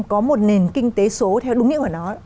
có một nền kinh tế số theo đúng nghĩa của nó